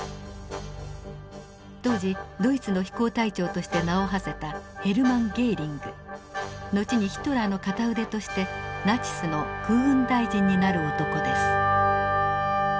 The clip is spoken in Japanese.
当時ドイツの飛行隊長として名をはせた後にヒトラーの片腕としてナチスの空軍大臣になる男です。